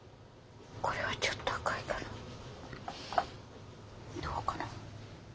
これはちょっと赤いからどうかな？